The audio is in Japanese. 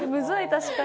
確かに。